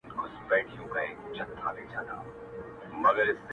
سړي وویل نه غواوي نه اوښان سته!!